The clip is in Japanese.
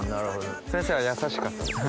先生は優しかったですか？